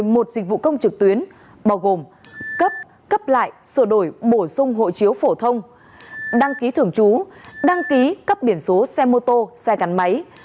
một dịch vụ công trực tuyến bao gồm cấp cấp lại sửa đổi bổ sung hộ chiếu phổ thông đăng ký thường trú đăng ký cấp biển số xe mô tô xe gắn máy